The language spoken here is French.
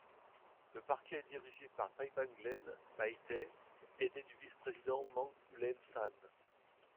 Le parti est dirigé par Taibanglen Meitei, aidé du vice-président Mang Ulen San.